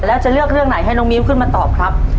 แล้วจะเลือกเรื่องไหนให้น้องมิ้วขึ้นมาตอบครับ